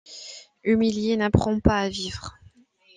Humilier n’apprend pas à vivre.